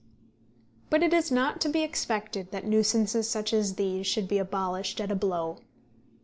But it is not to be expected that nuisances such as these should be abolished at a blow.